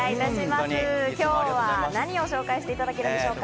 今日は何を紹介していただけるんでしょうか？